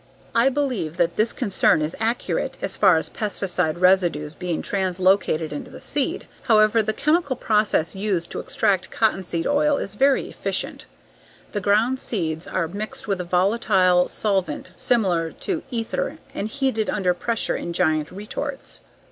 I believe that this concern is accurate as far as pesticide residues being translocated into the seed. However, the chemical process used to extract cottonseed oil is very efficient The ground seeds are mixed with a volatile solvent similar to ether and heated under pressure in giant retorts.